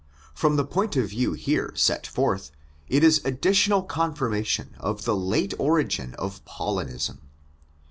From the point of view here set forth, it is additional confirmation of the late origin of Paulinism.